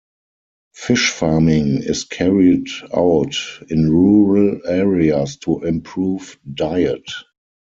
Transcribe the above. Fish farming is carried out in rural areas to improve diet.